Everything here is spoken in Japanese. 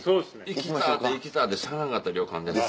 行きたぁて行きたぁてしゃあなかった旅館です。